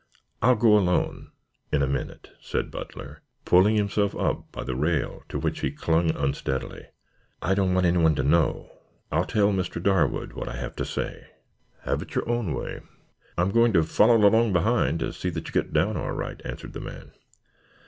I'll go alone in a minute," said Butler, pulling himself up by the rail to which he clung unsteadily. "I don't want anyone to know. I'll tell Mr. Darwood what I have to say." "Have it your own way. I'm going to follow along behind, to see that you get down all right," answered the man.